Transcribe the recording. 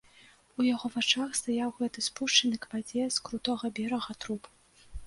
У яго вачах стаяў гэты спушчаны к вадзе з крутога берага труп.